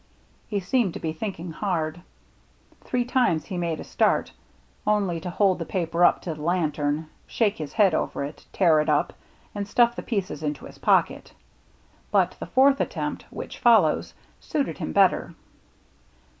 He seemed to be thinking hard. Three times he made a start, only to hold the paper up to the lantern, shake his head over it, tear it up, and stuflF the pieces into his pocket. But the fourth attempt, which follows, suited him better.